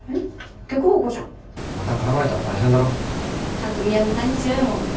匠は無駄に強いもんね。